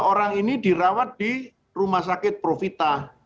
tiga orang ini dirawat di rumah sakit profita